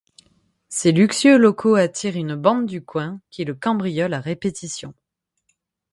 Ses luxueux locaux attirent une bande du coin qui le cambriole à répétition.